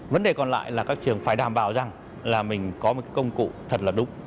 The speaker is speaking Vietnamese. vấn đề còn lại là các trường phải đảm bảo rằng là mình có một công cụ thật là đúng